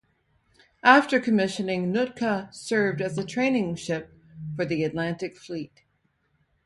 After commissioning, "Nootka" served as a training ship for the Atlantic Fleet.